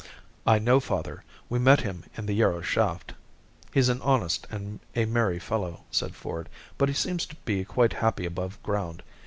"I know, father. We met him in the Yarrow shaft." "He's an honest and a merry fellow," said Ford; "but he seems to be quite happy above ground.